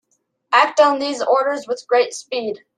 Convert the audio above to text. Act on these orders with great speed.